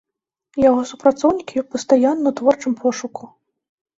Яго супрацоўнікі пастаянна ў творчым пошуку.